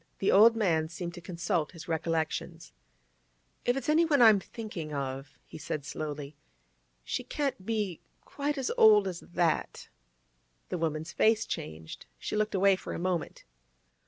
The old man seemed to consult his recollections. 'If it's anyone I'm thinking of,' he said slowly, 'she can't be quite as old as that.' The woman's face changed; she looked away for a moment.